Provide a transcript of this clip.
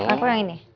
aku yang ini